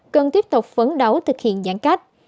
cần tiếp tục phấn đấu thực hiện giãn cách